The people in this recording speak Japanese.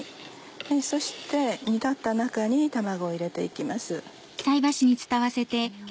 そして煮立った中に卵を入れて行きます。